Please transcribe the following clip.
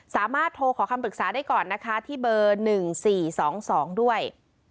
สามารถโทรขอคำปรึกษาได้ก่อนนะคะที่เบอร์๑๔๒๒ด้วย